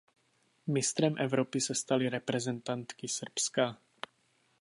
Mistrem Evropy se staly reprezentantky Srbska.